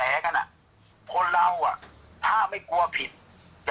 แม่ยังคงมั่นใจและก็มีความหวังในการทำงานของเจ้าหน้าที่ตำรวจค่ะ